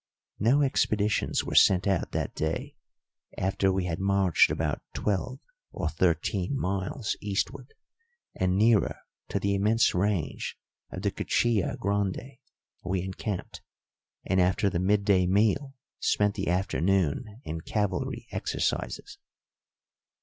No expeditions were sent out that day; after we had marched about twelve or thirteen miles eastward and nearer to the immense range of the Cuchilla Grande, we encamped, and after the midday meal spent the afternoon in cavalry exercises.